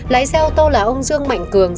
lái xe ô tô là ông dương mạnh cường